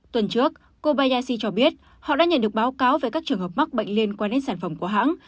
tuần trước kobayashi cho biết họ đã nhận được báo cáo về các trường hợp mắc bệnh liên quan đến sản phẩm của hãng